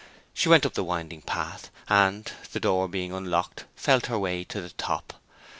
She went up the winding path, and, the door being unlocked, felt her way to the top.